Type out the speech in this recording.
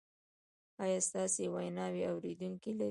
ایا ستاسو ویناوې اوریدونکي لري؟